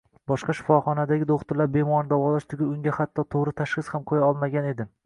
Boshqa shifoxonadagi doʻxtirlar bemorni davolash tugul, unga hatto toʻgʻri tashxis ham qoʻya olmagan edi